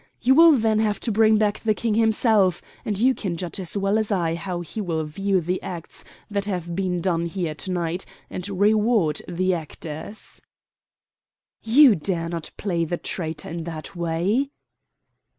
You will then have to bring back the King himself, and you can judge as well as I how he will view the acts that have been done here to night, and reward the actors." "You dare not play the traitor in that way!"